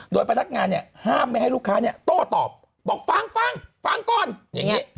โดยพนักงานฮาบไม่ให้ลูกค้าโต้ตอบบอกฟังก่อนอย่างนี้